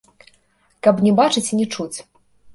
Каб не бачыць і не чуць.